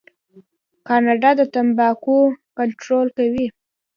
کاناډا د تمباکو کنټرول کوي.